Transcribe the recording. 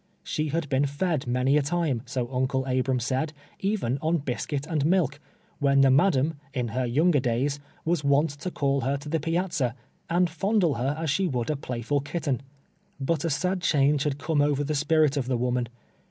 She luid been fed many a time, so Uncle .Vbram said, even on biscuit and milk, when the madam, in her younger days, was wont to call lier to the piazza, and fondle her as she would ajjlay ful kitten. But a sad change had come over the spirit of the woman.